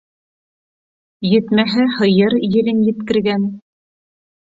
Етмәһә, һыйыр елен еткергән.